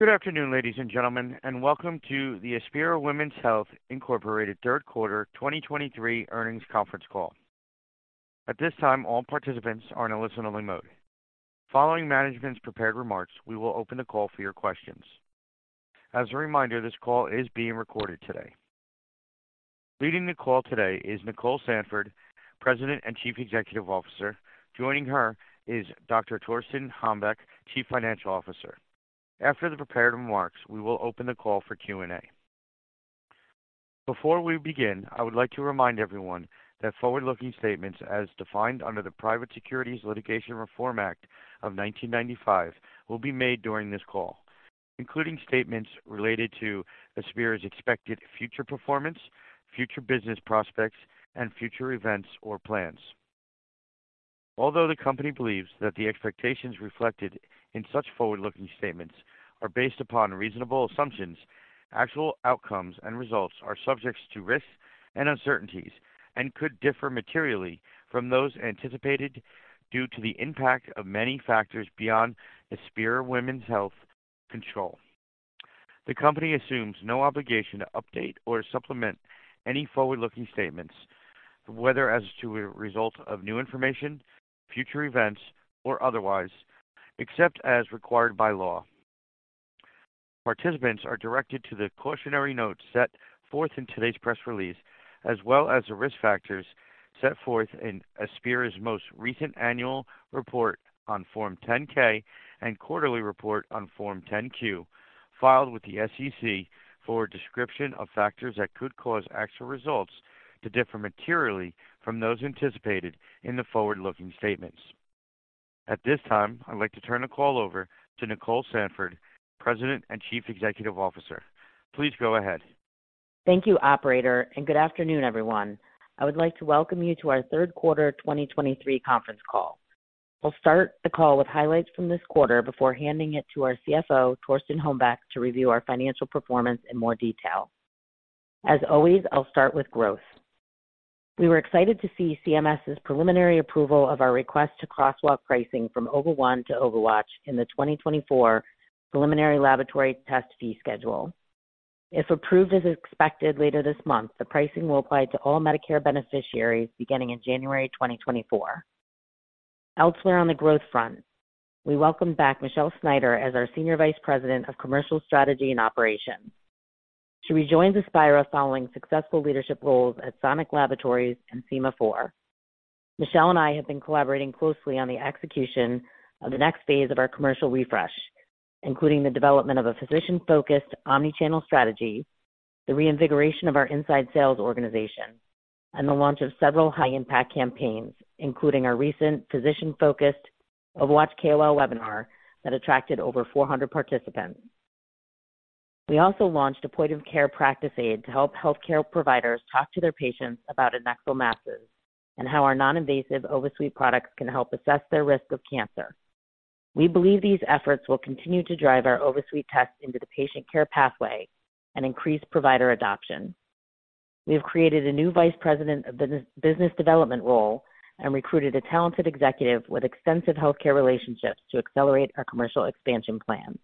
Good afternoon, ladies and gentlemen, and welcome to the Aspira Women's Health Inc Third Quarter 2023 Earnings Conference Call. At this time, all participants are in a listen-only mode. Following management's prepared remarks, we will open the call for your questions. As a reminder, this call is being recorded today. Leading the call today is Nicole Sandford, President and Chief Executive Officer. Joining her is Dr. Torsten Hombeck, Chief Financial Officer. After the prepared remarks, we will open the call for Q&A. Before we begin, I would like to remind everyone that forward-looking statements as defined under the Private Securities Litigation Reform Act of 1995, will be made during this call, including statements related to Aspira's expected future performance, future business prospects, and future events or plans. Although the company believes that the expectations reflected in such forward-looking statements are based upon reasonable assumptions, actual outcomes and results are subjects to risks and uncertainties and could differ materially from those anticipated due to the impact of many factors beyond Aspira Women's Health's control. The company assumes no obligation to update or supplement any forward-looking statements, whether as to a result of new information, future events, or otherwise, except as required by law. Participants are directed to the cautionary notes set forth in today's press release, as well as the risk factors set forth in Aspira's most recent annual report on Form 10-K and quarterly report on Form 10-Q, filed with the SEC for a description of factors that could cause actual results to differ materially from those anticipated in the forward-looking statements. At this time, I'd like to turn the call over to Nicole Sandford, President and Chief Executive Officer. Please go ahead. Thank you, operator, and good afternoon, everyone. I would like to welcome you to our third quarter 2023 conference call. I'll start the call with highlights from this quarter before handing it to our CFO, Torsten Hombeck, to review our financial performance in more detail. As always, I'll start with growth. We were excited to see CMS's preliminary approval of our request to crosswalk pricing from Ova1 to OvaWatch in the 2024 preliminary laboratory test fee schedule. If approved, as expected, later this month, the pricing will apply to all Medicare beneficiaries beginning in January 2024. Elsewhere on the growth front, we welcome back Michelle Snyder as our Senior Vice President of Commercial Strategy and Operations. She rejoins Aspira following successful leadership roles at Sonic Reference Laboratory and Sema4. Michelle and I have been collaborating closely on the execution of the next phase of our commercial refresh, including the development of a physician-focused omni-channel strategy, the reinvigoration of our inside sales organization, and the launch of several high-impact campaigns, including our recent physician-focused OvaWatch KOL webinar that attracted over 400 participants. We also launched a point-of-care practice aid to help healthcare providers talk to their patients about adnexal masses and how our non-invasive OvaSuite products can help assess their risk of cancer. We believe these efforts will continue to drive our OvaSuite tests into the patient care pathway and increase provider adoption. We have created a new Vice President of Business Development role and recruited a talented executive with extensive healthcare relationships to accelerate our commercial expansion plans.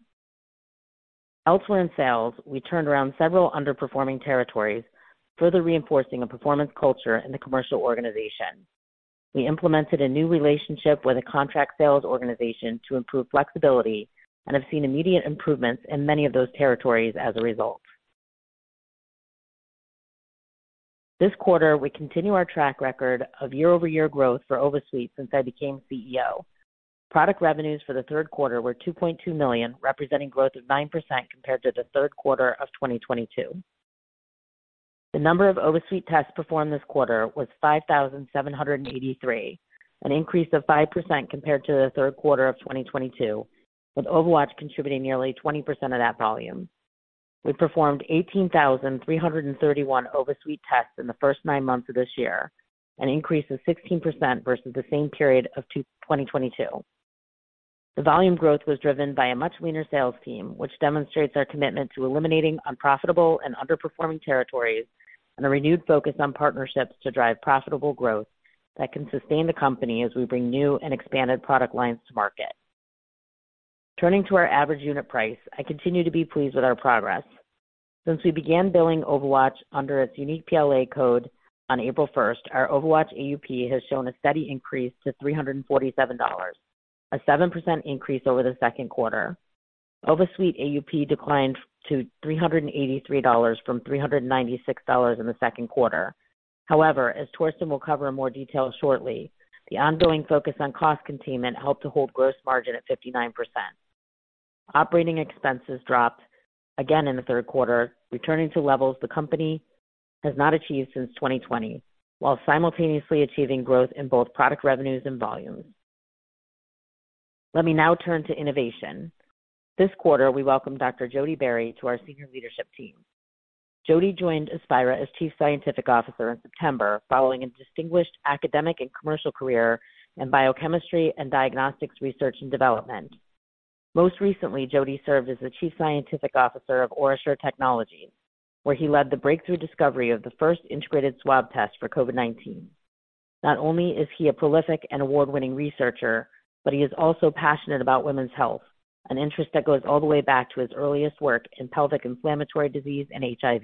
Elsewhere in sales, we turned around several underperforming territories, further reinforcing a performance culture in the commercial organization. We implemented a new relationship with a contract sales organization to improve flexibility and have seen immediate improvements in many of those territories as a result. This quarter, we continue our track record of year-over-year growth for OvaSuite since I became CEO. Product revenues for the third quarter were $2.2 million, representing growth of 9% compared to the third quarter of 2022. The number of OvaSuite tests performed this quarter was 5,783, an increase of 5% compared to the third quarter of 2022, with OvaWatch contributing nearly 20% of that volume. We performed 18,331 OvaSuite tests in the first nine months of this year, an increase of 16% versus the same period of 2022. The volume growth was driven by a much leaner sales team, which demonstrates our commitment to eliminating unprofitable and underperforming territories and a renewed focus on partnerships to drive profitable growth that can sustain the company as we bring new and expanded product lines to market. Turning to our average unit price, I continue to be pleased with our progress. Since we began billing OvaWatch under its unique PLA code on April 1st, our OvaWatch AUP has shown a steady increase to $347, a 7% increase over the second quarter. OvaSuite AUP declined to $383 from $396 in the second quarter. However, as Torsten will cover in more detail shortly, the ongoing focus on cost containment helped to hold gross margin at 59%. Operating expenses dropped again in the third quarter, returning to levels the company has not achieved since 2020, while simultaneously achieving growth in both product revenues and volumes. Let me now turn to innovation. This quarter, we welcome Dr. Jody Berry to our senior leadership team. Jody joined Aspira as Chief Scientific Officer in September, following a distinguished academic and commercial career in biochemistry and diagnostics research and development. Most recently, Jody served as the Chief Scientific Officer of OraSure Technologies, where he led the breakthrough discovery of the first integrated swab test for COVID-19.... Not only is he a prolific and award-winning researcher, but he is also passionate about women's health, an interest that goes all the way back to his earliest work in pelvic inflammatory disease and HIV.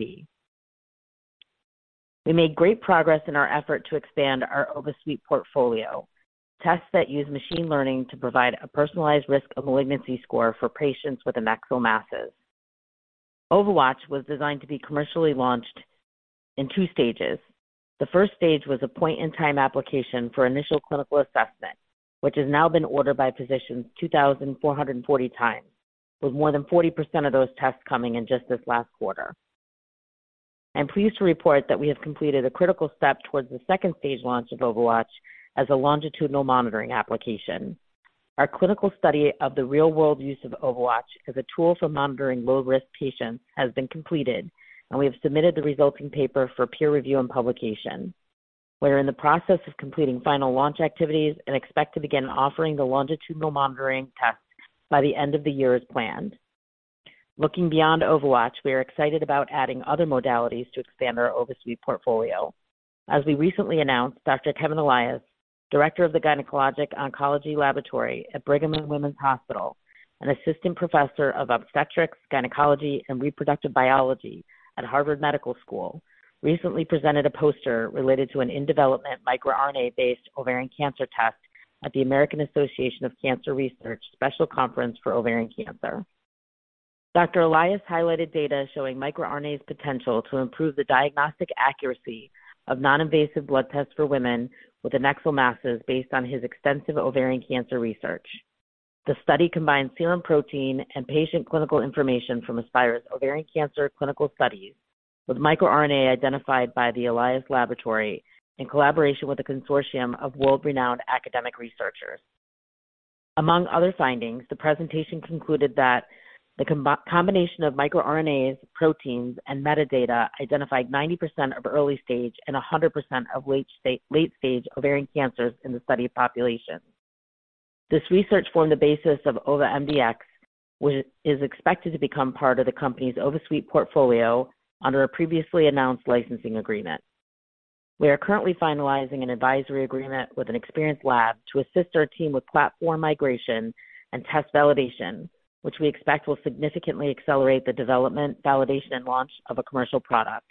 We made great progress in our effort to expand our OvaSuite portfolio, tests that use machine learning to provide a personalized risk of malignancy score for patients with adnexal masses. OvaWatch was designed to be commercially launched in two stages. The first stage was a point-in-time application for initial clinical assessment, which has now been ordered by physicians 2,440x, with more than 40% of those tests coming in just this last quarter. I'm pleased to report that we have completed a critical step towards the second stage launch of OvaWatch as a longitudinal monitoring application. Our clinical study of the real-world use of OvaWatch as a tool for monitoring low-risk patients has been completed, and we have submitted the resulting paper for peer review and publication. We are in the process of completing final launch activities and expect to begin offering the longitudinal monitoring test by the end of the year as planned. Looking beyond OvaWatch, we are excited about adding other modalities to expand our OvaSuite portfolio. As we recently announced, Dr. Kevin Elias, Director of the Gynecologic Oncology Laboratory at Brigham and Women's Hospital and Assistant Professor of Obstetrics, Gynecology, and Reproductive Biology at Harvard Medical School, recently presented a poster related to an in-development microRNA-based ovarian cancer test at the American Association of Cancer Research Special Conference for Ovarian Cancer. Dr. Elias highlighted data showing microRNA's potential to improve the diagnostic accuracy of non-invasive blood tests for women with adnexal masses based on his extensive ovarian cancer research. The study combines serum protein and patient clinical information from Aspira's ovarian cancer clinical studies, with microRNA identified by the Elias Laboratory in collaboration with a consortium of world-renowned academic researchers. Among other findings, the presentation concluded that the combination of microRNAs, proteins, and metadata identified 90% of early stage and 100% of late-stage ovarian cancers in the study population. This research formed the basis of OvaMDx, which is expected to become part of the company's OvaSuite portfolio under a previously announced licensing agreement. We are currently finalizing an advisory agreement with an experienced lab to assist our team with platform migration and test validation, which we expect will significantly accelerate the development, validation, and launch of a commercial product.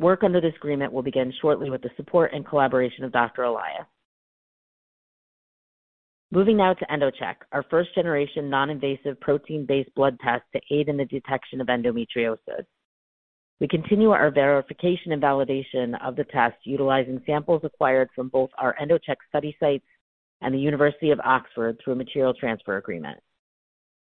Work under this agreement will begin shortly with the support and collaboration of Dr. Elias. Moving now to EndoCheck, our first-generation non-invasive protein-based blood test to aid in the detection of endometriosis. We continue our verification and validation of the test, utilizing samples acquired from both our EndoCheck study sites and the University of Oxford through a material transfer agreement.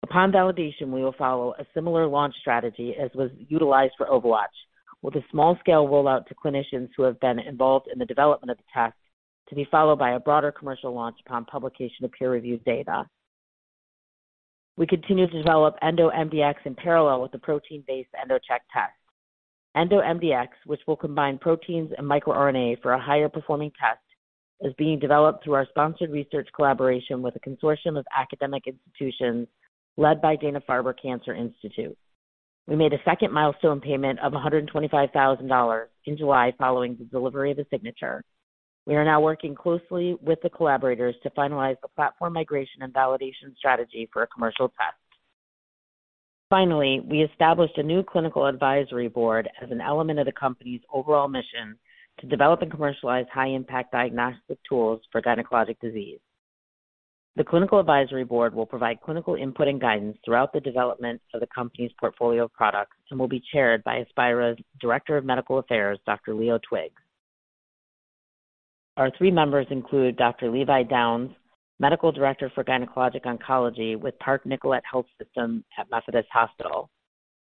Upon validation, we will follow a similar launch strategy as was utilized for OvaWatch, with a small-scale rollout to clinicians who have been involved in the development of the test, to be followed by a broader commercial launch upon publication of peer-reviewed data. We continue to develop EndoMDx in parallel with the protein-based EndoCheck test. EndoMDx, which will combine proteins and microRNA for a higher performing test, is being developed through our sponsored research collaboration with a consortium of academic institutions led by Dana-Farber Cancer Institute. We made a second milestone payment of $125,000 in July following the delivery of the signature. We are now working closely with the collaborators to finalize a platform migration and validation strategy for a commercial test. Finally, we established a new clinical advisory board as an element of the company's overall mission to develop and commercialize high-impact diagnostic tools for gynecologic disease. The clinical advisory board will provide clinical input and guidance throughout the development of the company's portfolio of products and will be chaired by Aspira's Director of Medical Affairs, Dr. Leo Twiggs. Our three members include Dr. Levi Downs, Medical Director for Gynecologic Oncology with Park Nicollet Health System at Methodist Hospital;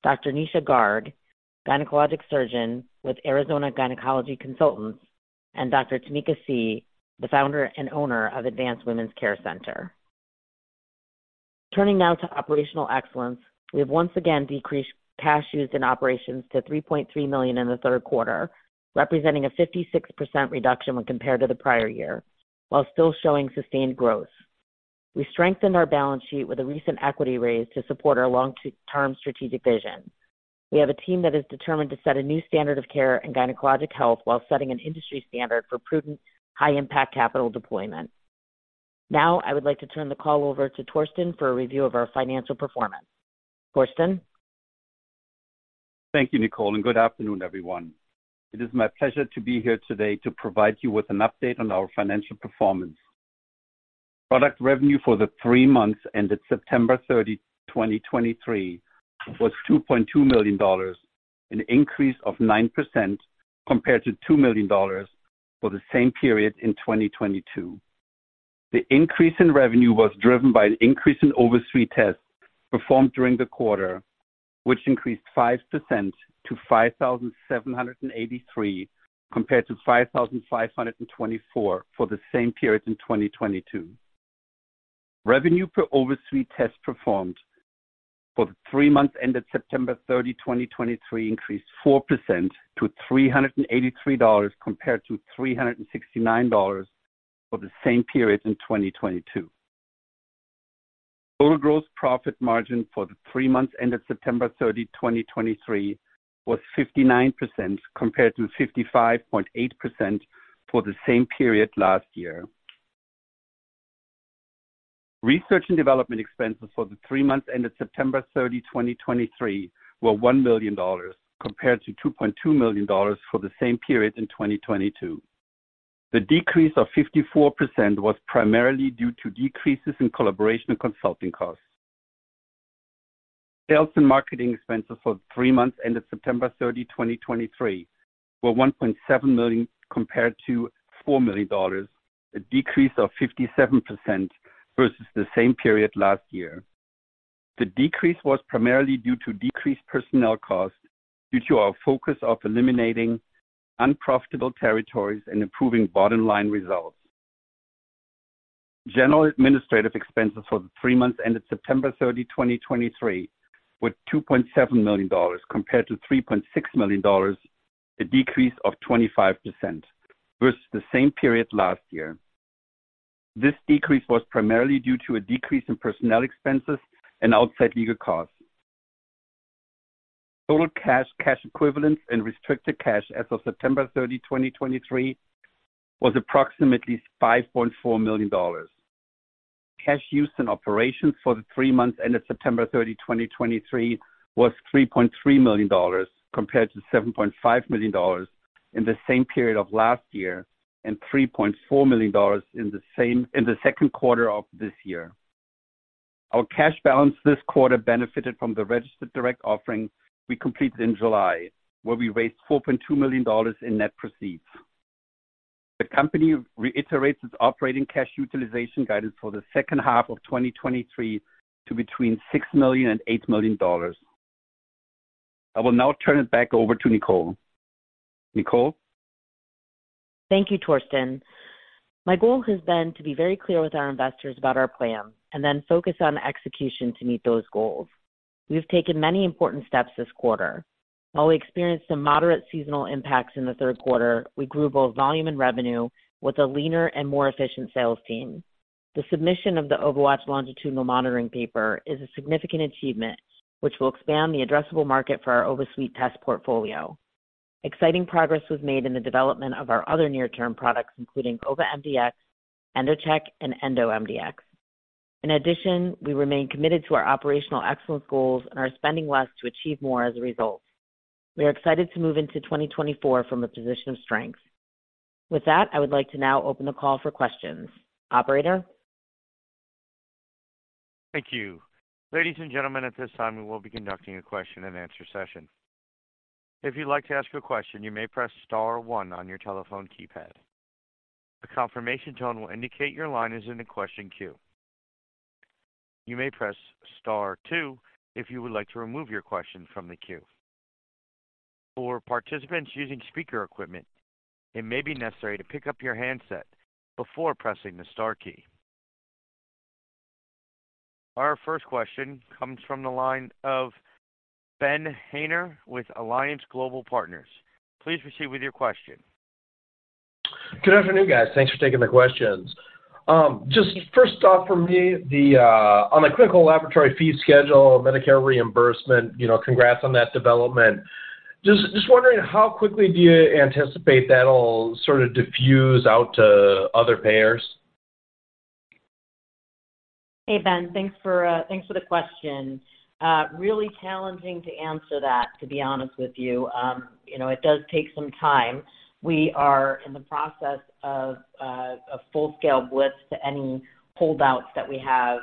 Dr. Nisha Garg, gynecologic surgeon with Arizona Gynecology Consultants; and Dr. Tamika Sea, the founder and owner of Advanced Women's Care Center. Turning now to operational excellence. We have once again decreased cash used in operations to $3.3 million in the third quarter, representing a 56% reduction when compared to the prior year, while still showing sustained growth. We strengthened our balance sheet with a recent equity raise to support our long-term strategic vision. We have a team that is determined to set a new standard of care in gynecologic health while setting an industry standard for prudent, high-impact capital deployment. Now, I would like to turn the call over to Torsten for a review of our financial performance. Torsten? Thank you, Nicole, and good afternoon, everyone. It is my pleasure to be here today to provide you with an update on our financial performance. Product revenue for the three months ended September 30, 2023, was $2.2 million, an increase of 9% compared to $2 million for the same period in 2022. The increase in revenue was driven by an increase in OvaSuite tests performed during the quarter, which increased 5% to 5,783, compared to 5,524 for the same period in 2022. Revenue per OvaSuite tests performed for the three months ended September 30, 2023, increased 4% to $383, compared to $369 for the same period in 2022.... Total gross profit margin for the three months ended September 30, 2023, was 59%, compared to 55.8% for the same period last year. Research and development expenses for the three months ended September 30, 2023, were $1 million, compared to $2.2 million for the same period in 2022. The decrease of 54% was primarily due to decreases in collaboration and consulting costs. Sales and marketing expenses for the three months ended September 30, 2023, were $1.7 million, compared to $4 million, a decrease of 57% versus the same period last year. The decrease was primarily due to decreased personnel costs, due to our focus of eliminating unprofitable territories and improving bottom line results. General administrative expenses for the three months ended September 30, 2023, were $2.7 million, compared to $3.6 million, a decrease of 25% versus the same period last year. This decrease was primarily due to a decrease in personnel expenses and outside legal costs. Total cash, cash equivalents, and restricted cash as of September 30, 2023, was approximately $5.4 million. Cash used in operations for the three months ended September 30, 2023, was $3.3 million, compared to $7.5 million in the same period of last year, and $3.4 million in the second quarter of this year. Our cash balance this quarter benefited from the registered direct offering we completed in July, where we raised $4.2 million in net proceeds. The company reiterates its operating cash utilization guidance for the second half of 2023 to between $6 million and $8 million. I will now turn it back over to Nicole. Nicole? Thank you, Torsten. My goal has been to be very clear with our investors about our plan and then focus on execution to meet those goals. We've taken many important steps this quarter. While we experienced some moderate seasonal impacts in the third quarter, we grew both volume and revenue with a leaner and more efficient sales team. The submission of the OvaWatch longitudinal monitoring paper is a significant achievement, which will expand the addressable market for our OvaSuite test portfolio. Exciting progress was made in the development of our other near-term products, including OvaMDx, EndoCheck, and EndoMDx. In addition, we remain committed to our operational excellence goals and are spending less to achieve more as a result. We are excited to move into 2024 from a position of strength. With that, I would like to now open the call for questions. Operator? Thank you. Ladies and gentlemen, at this time, we will be conducting a question-and-answer session. If you'd like to ask a question, you may press star one on your telephone keypad. A confirmation tone will indicate your line is in the question queue. You may press star two if you would like to remove your question from the queue. For participants using speaker equipment, it may be necessary to pick up your handset before pressing the star key. Our first question comes from the line of Ben Haynor with Alliance Global Partners. Please proceed with your question. Good afternoon, guys. Thanks for taking the questions. Just first off for me, on the clinical laboratory fee schedule, Medicare reimbursement, you know, congrats on that development. Just wondering, how quickly do you anticipate that'll sort of diffuse out to other payers? Hey, Ben, thanks for thanks for the question. Really challenging to answer that, to be honest with you. You know, it does take some time. We are in the process of a full-scale blitz to any holdouts that we have,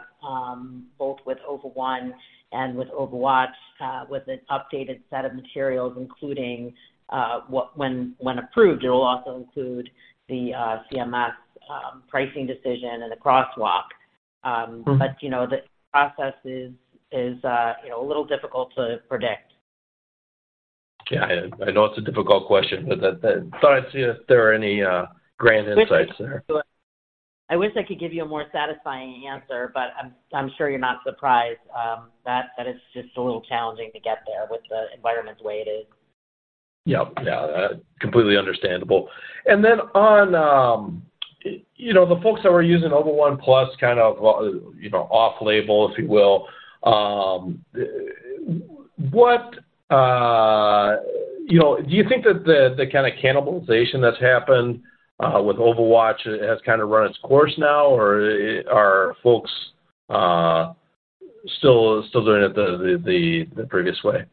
both with Ova1 and with OvaWatch, with an updated set of materials, including, when approved, it will also include the CMS pricing decision and the crosswalk. Mm-hmm. But, you know, the process is, you know, a little difficult to predict. Yeah, I know it's a difficult question, but thought I'd see if there are any grand insights there. I wish I could give you a more satisfying answer, but I'm sure you're not surprised that it's just a little challenging to get there with the environment the way it is. Yep. Yeah, completely understandable. And then on, you know, the folks that were using Ova1Plus kind of, well, you know, off-label, if you will, what... You know, do you think that the kind of cannibalization that's happened with OvaWatch has kind of run its course now, or are folks still doing it the previous way?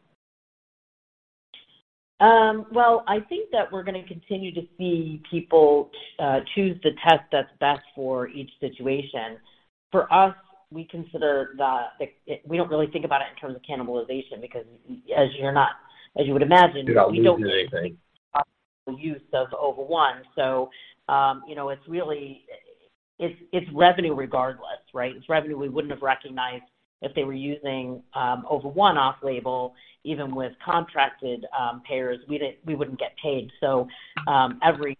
Well, I think that we're going to continue to see people choose the test that's best for each situation. For us, we consider we don't really think about it in terms of cannibalization because as you're not, as you would imagine- You're not losing anything.... Use of Ova1. So, you know, it's really, it's revenue regardless, right? It's revenue we wouldn't have recognized if they were using Ova1 off-label. Even with contracted payers, we wouldn't get paid. So, every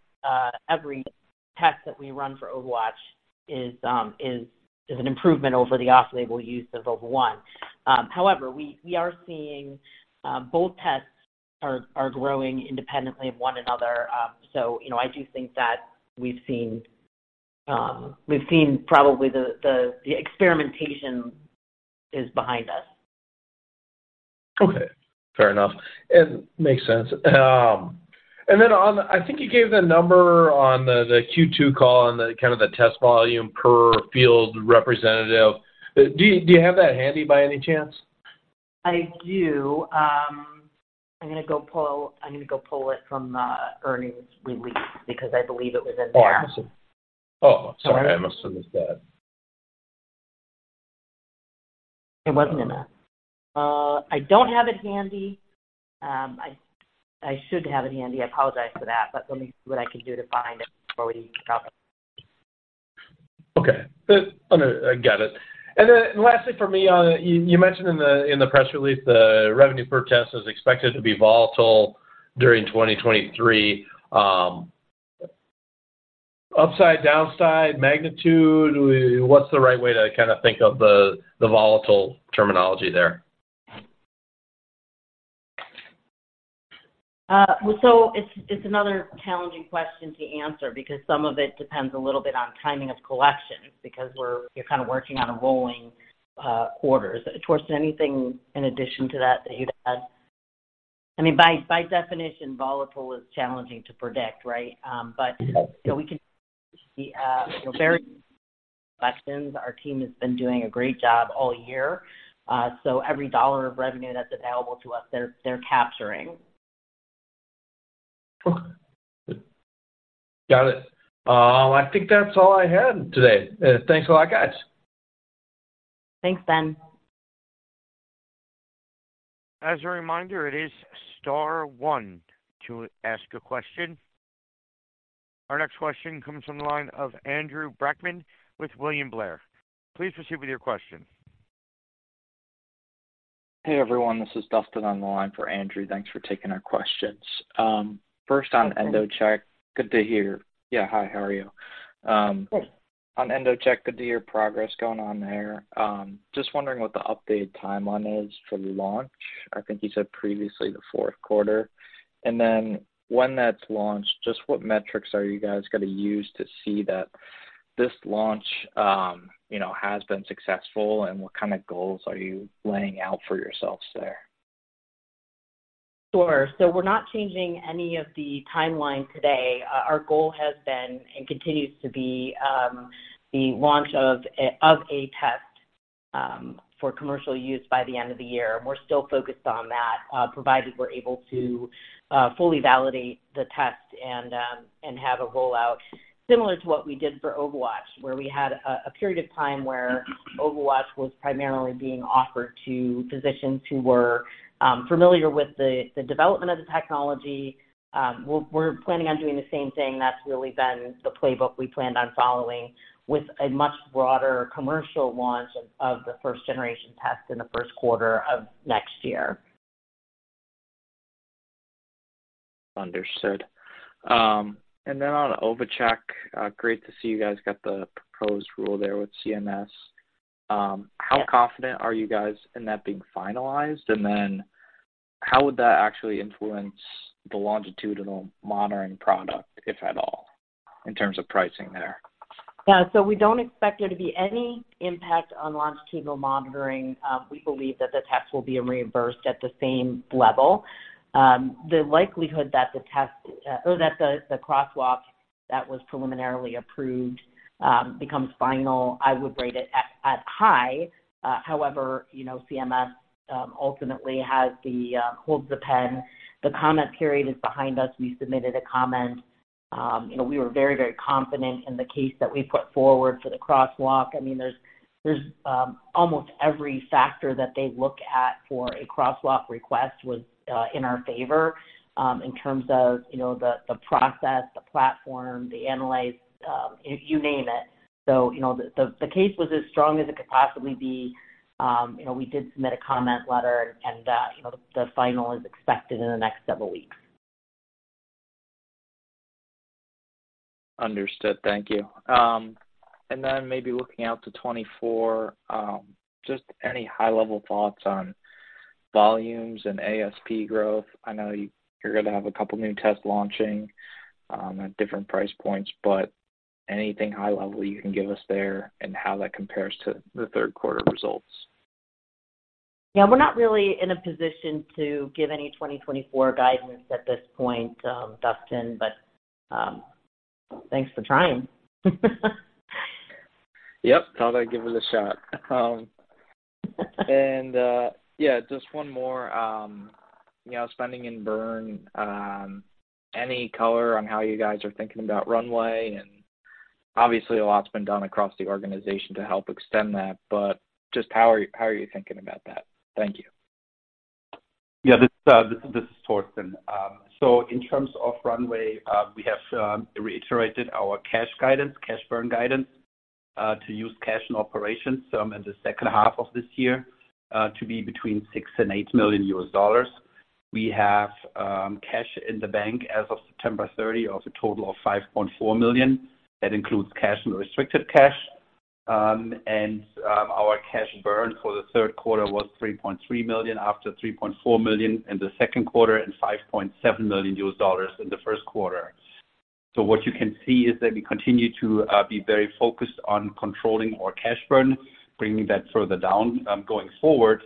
test that we run for OvaWatch is an improvement over the off-label use of Ova1. However, we are seeing both tests are growing independently of one another. So, you know, I do think that we've seen probably the experimentation is behind us. Okay, fair enough. Makes sense. And then on the—I think you gave the number on the Q2 call on the kind of test volume per field representative. Do you have that handy by any chance? I do. I'm gonna go pull it from the earnings release, because I believe it was in there. Oh, sorry, I must have missed that. It wasn't in there. I don't have it handy. I should have it handy. I apologize for that, but let me see what I can do to find it before we wrap up. Okay. But, I get it. And then lastly for me, you mentioned in the press release, the revenue per test is expected to be volatile during 2023. Upside, downside, magnitude, what's the right way to kinda think of the volatile terminology there? Well, so it's another challenging question to answer, because some of it depends a little bit on timing of collections, because you're kind of working on a rolling quarters. Torsten, anything in addition to that, that you'd add? I mean, by definition, volatile is challenging to predict, right? But, you know, we can see very collections. Our team has been doing a great job all year, so every dollar of revenue that's available to us, they're capturing. Okay. Got it. I think that's all I had today. Thanks a lot, guys. Thanks, Ben. As a reminder, it is star one to ask a question. Our next question comes from the line of Andrew Brackmann with William Blair. Please proceed with your question. Hey, everyone, this is Dustin on the line for Andrew. Thanks for taking our questions. First on EndoCheck. Good to hear. Yeah, hi, how are you? Good. On EndoCheck, good to hear progress going on there. Just wondering what the updated timeline is for the launch. I think you said previously, the fourth quarter. And then when that's launched, just what metrics are you guys going to use to see that this launch, you know, has been successful, and what kind of goals are you laying out for yourselves there? Sure. So we're not changing any of the timeline today. Our goal has been, and continues to be, the launch of a test for commercial use by the end of the year. We're still focused on that, provided we're able to fully validate the test and have a rollout. Similar to what we did for OvaWatch, where we had a period of time where OvaWatch was primarily being offered to physicians who were familiar with the development of the technology. We're planning on doing the same thing. That's really been the playbook we planned on following, with a much broader commercial launch of the first generation test in the first quarter of next year. Understood. And then on OvaWatch, great to see you guys got the proposed rule there with CMS. How confident are you guys in that being finalized? And then how would that actually influence the longitudinal monitoring product, if at all, in terms of pricing there? Yeah, so we don't expect there to be any impact on longitudinal monitoring. We believe that the test will be reimbursed at the same level. The likelihood that the test or that the crosswalk that was preliminarily approved becomes final, I would rate it at high. However, you know, CMS ultimately holds the pen. The comment period is behind us. We submitted a comment. You know, we were very, very confident in the case that we put forward for the crosswalk. I mean, there's almost every factor that they look at for a crosswalk request was in our favor, in terms of, you know, the process, the platform, the analytes, you name it. So, you know, the case was as strong as it could possibly be. You know, we did submit a comment letter, and, you know, the final is expected in the next several weeks. Understood. Thank you. And then maybe looking out to 2024, just any high-level thoughts on volumes and ASP growth? I know you're gonna have a couple of new tests launching, at different price points, but anything high-level you can give us there and how that compares to the third quarter results? Yeah, we're not really in a position to give any 2024 guidance at this point, Dustin, but thanks for trying. Yep. Thought I'd give it a shot. Yeah, just one more. You know, spending and burn, any color on how you guys are thinking about runway and obviously a lot's been done across the organization to help extend that, but just how are you, how are you thinking about that? Thank you. Yeah, this is Torsten. So in terms of runway, we have reiterated our cash guidance, cash burn guidance, to use cash in operations in the second half of this year to be between $6 million and $8 million. We have cash in the bank as of September 30 of a total of $5.4 million. That includes cash and restricted cash. And our cash burn for the third quarter was $3.3 million, after $3.4 million in the second quarter and $5.7 million in the first quarter. So what you can see is that we continue to be very focused on controlling our cash burn, bringing that further down going forward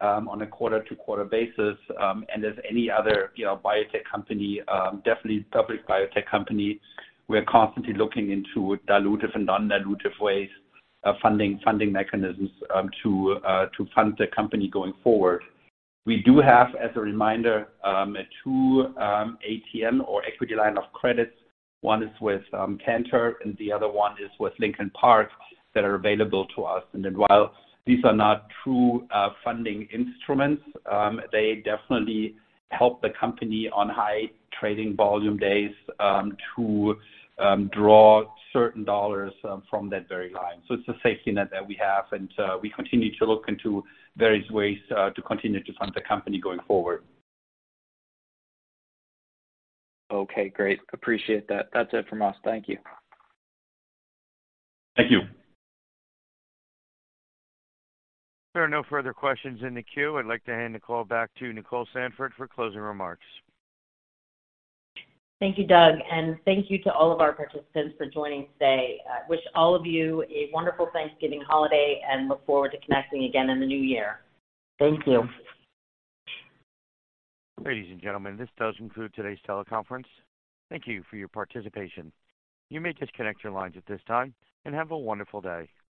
on a quarter-to-quarter basis. And as any other, you know, biotech company, definitely public biotech company, we're constantly looking into dilutive and non-dilutive ways of funding, funding mechanisms, to fund the company going forward. We do have, as a reminder, 2 ATM or equity line of credits. One is with Cantor, and the other one is with Lincoln Park, that are available to us. And then while these are not true funding instruments, they definitely help the company on high trading volume days, to draw certain dollars from that very line. So it's a safety net that we have, and we continue to look into various ways to continue to fund the company going forward. Okay, great. Appreciate that. That's it from us. Thank you. Thank you. There are no further questions in the queue. I'd like to hand the call back to Nicole Sandford for closing remarks. Thank you, Doug, and thank you to all of our participants for joining today. I wish all of you a wonderful Thanksgiving holiday and look forward to connecting again in the new year. Thank you. Ladies and gentlemen, this does conclude today's teleconference. Thank you for your participation. You may disconnect your lines at this time, and have a wonderful day.